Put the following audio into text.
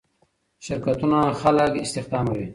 شرکتونه خلک استخداموي.